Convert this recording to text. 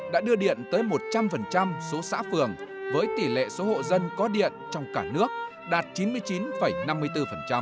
đã đưa điện tới một trăm linh số xã phường với tỷ lệ số hộ dân có điện trong cả nước đạt chín mươi chín năm mươi bốn